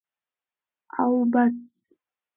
او بس.